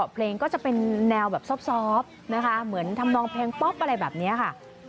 เพลงก็จะเป็นแนวแบบซอบนะคะเหมือนทำนองเพลงป๊อปอะไรแบบนี้ค่ะ